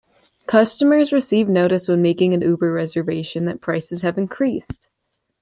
Customers receive notice when making an Uber reservation that prices have increased.